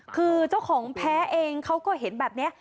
คือเจ้าของแพ้เองเขาก็เห็นแบบนี้